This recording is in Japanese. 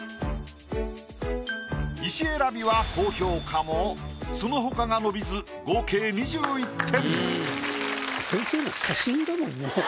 石選びは高評価もそのほかが伸びず合計２１点。